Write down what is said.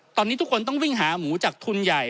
ตอนนี้ทุกคนต้องวิ่งหาหมูจากทุนใหญ่